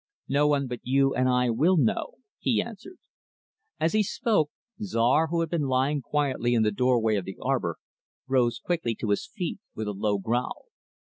"No one but you and I will know," he answered. As he spoke, Czar, who had been lying quietly in the doorway of the arbor, rose quickly to his feet, with a low growl.